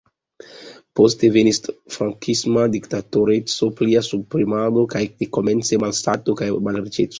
Poste venis frankisma diktatoreco, plia subpremado kaj dekomence malsato kaj malriĉeco.